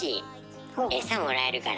餌もらえるから。